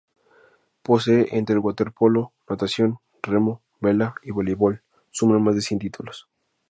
Posee entre el waterpolo, natación, remo, vela y voleibol suman más de cien títulos.